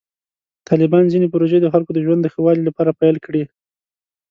طالبانو ځینې پروژې د خلکو د ژوند د ښه والي لپاره پیل کړې.